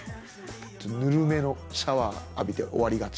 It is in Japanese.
ちょっとぬるめのシャワー浴びて終わりがち。